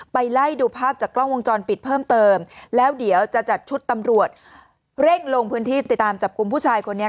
ไล่ดูภาพจากกล้องวงจรปิดเพิ่มเติมแล้วเดี๋ยวจะจัดชุดตำรวจเร่งลงพื้นที่ติดตามจับกลุ่มผู้ชายคนนี้